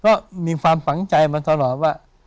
ก็มีความฝังใจมาตลอดว่า